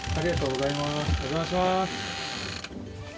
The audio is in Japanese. お邪魔します。